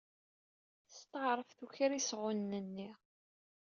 Testeɛṛef tuker isɣunen-nni.